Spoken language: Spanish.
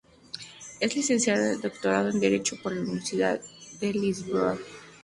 Es licenciado y doctorado en Derecho por la Universidad de Lisboa.